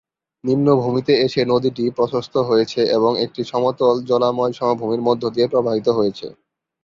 নিম্নভূমিতে এসে নদীটি প্রশস্ত হয়েছে এবং একটি সমতল, জলাময় সমভূমির মধ্য দিয়ে প্রবাহিত হয়েছে।